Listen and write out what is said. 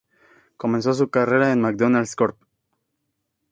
Comenzó su carrera en McDonald's Corp.